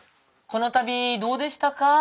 この旅どうでしたか？